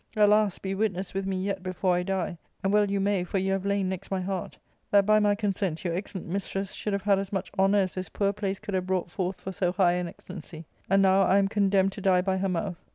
Alas ! be witness with me yet before I die— and well you may, for you have lain next my heart — that by my consent your excellent mistress should have had as much honour as this poor place could have brought forth for so high an excellency ; and now I am condemned to die by her mouth.